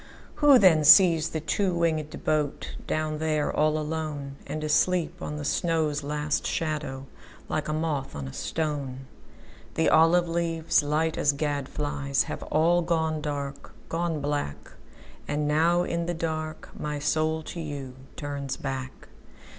Who then sees the two wingedBoat down there, all aloneAnd asleep on the snow's last shadow, Like a moth on a stone? The olive leaves, light as gad flies, Have all gone dark, gone black. And now in the dark my soul to youTurns back.